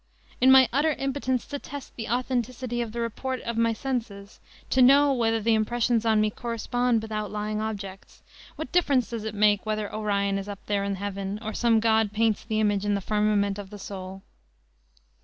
In my utter impotence to test the authenticity of the report of my senses, to know whether the impressions on me correspond with outlying objects, what difference does it make whether Orion is up there in heaven or some god paints the image in the firmament of the soul?"